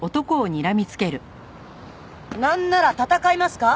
なんなら闘いますか？